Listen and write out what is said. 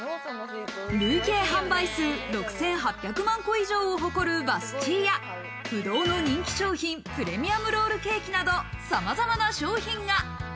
累計販売数６８００万個以上を誇る「バスチー」や、不動の人気商品「プレミアムロールケーキ」などさまざまな商品が。